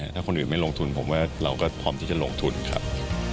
ถ้าคนอื่นไม่ลงทุนผมว่าเราก็พร้อมที่จะลงทุนครับ